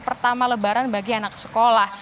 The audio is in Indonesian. pertama lebaran bagi anak sekolah